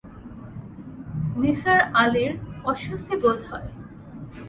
নিসার আলির অস্বস্তি বোধ হয়।